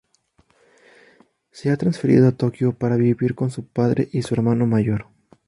Se ha transferido a Tokio para vivir con su padre y su hermano mayor.